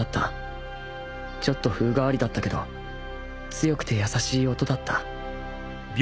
ちょっと風変わりだったけど強くて優しい音だった